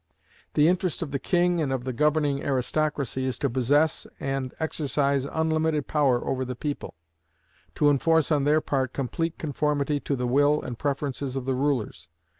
The interest of the king and of the governing aristocracy is to possess and exercise unlimited power over the people; to enforce, on their part, complete conformity to the will and preferences of the rulers.